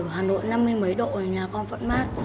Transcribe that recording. ở hà nội năm mươi mấy độ thì nhà con vẫn mát